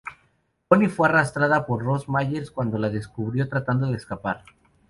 Connie fue arrestada por Ros Myers cuando la descubrió tratando de escapar.